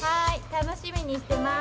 楽しみにしてます。